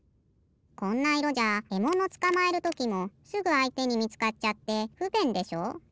こんないろじゃえものつかまえるときもすぐあいてにみつかっちゃってふべんでしょ。